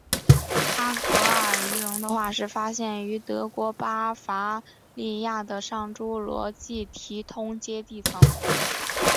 阿戈尔鱼龙的化石发现于德国巴伐利亚的上侏罗纪提通阶地层。